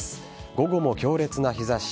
午後も強烈な日差し。